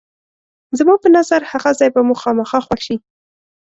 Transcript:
زما په نظر هغه ځای به مو خامخا خوښ شي.